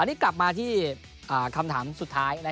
อันนี้กลับมาที่คำถามสุดท้าย